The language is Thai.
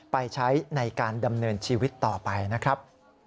ไปใช้ในการดำเนินชีวิตต่อไปนะครับ